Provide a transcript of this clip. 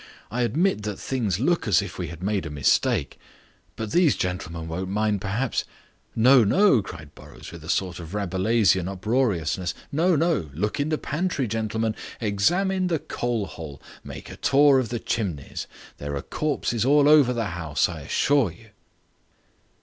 I admit that things look as if we had made a mistake. But these gentlemen won't mind perhaps..." "No, no," cried Burrows, with a sort of Rabelaisian uproariousness. "No, no, look in the pantry, gentlemen. Examine the coal hole. Make a tour of the chimneys. There are corpses all over the house, I assure you."